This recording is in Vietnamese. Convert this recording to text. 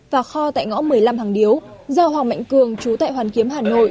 và kho tại ngõ một mươi năm hàng điếu do hoàng mạnh cường chú tại hoàn kiếm hà nội